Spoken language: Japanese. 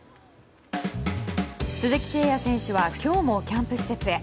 鈴木誠也選手は今日もキャンプ施設へ。